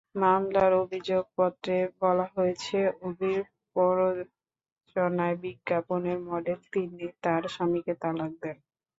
মামলার অভিযোগপত্রে বলা হয়েছে, অভির প্ররোচনায় বিজ্ঞাপনের মডেল তিন্নি তাঁর স্বামীকে তালাক দেন।